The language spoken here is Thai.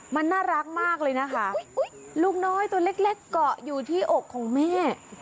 มันน่ารักมากเลยนะคะลูกน้อยตัวเล็กเกาะอยู่ที่อกของแม่